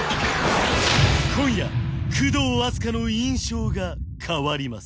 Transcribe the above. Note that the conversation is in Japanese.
今夜工藤阿須加の印象が変わります